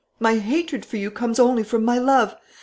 My hatred for you comes only from my love.